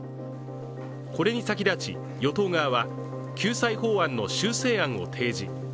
これに先立ち与党側は救済法案の修正案を提示。